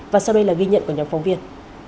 và sau đây là ghi nhận của nhóm phóng viên